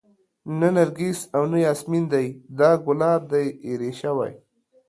نه نرګس او نه ياسمن دى دا ګلاب دى ايرې شوى